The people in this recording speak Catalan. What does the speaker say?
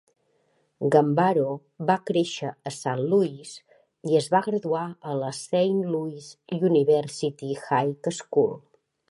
Gambaro va créixer a Saint Louis i es va graduar a la Saint Louis University High School.